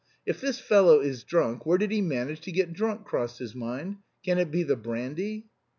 "If this fellow is drunk, where did he manage to get drunk?" crossed his mind. "Can it be the brandy?"